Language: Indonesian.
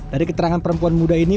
dari keterangan perempuan muda ini